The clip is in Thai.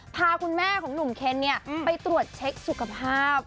พาคุณแม่ของหนุ่มเคนไปตรวจเช็คสุขภาพ